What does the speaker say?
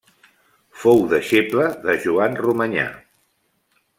Fou deixeble de Joan Romanyà.